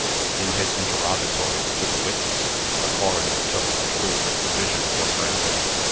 In his interrogatories to the witness, the coroner took the truth of the vision for granted.